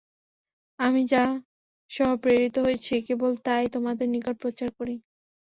আমি যা সহ প্রেরিত হয়েছি কেবল তাই তোমাদের নিকট প্রচার করি।